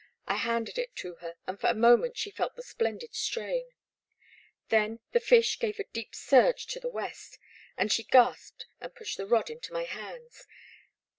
I handed it to her, and for a moment she felt the splendid strain. Then the fish gave a deep surge The Black Water, 1 79 to the west, and she gasped and pushed the rod into my hands.